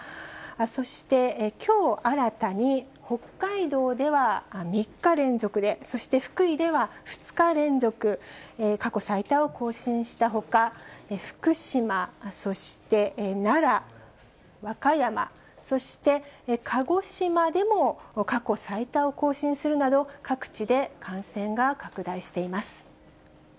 そして、きょう新たに北海道では３日連続で、そして福井では２日連続、過去最多を更新したほか、福島、そして奈良、和歌山、そして鹿児島でも過去最多を更新するなど、各地で感染が拡大しています。